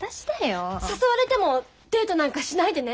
誘われてもデートなんかしないでね。